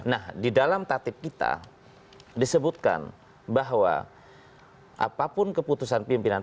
nah di dalam tatip kita disebutkan bahwa apapun keputusan pimpinan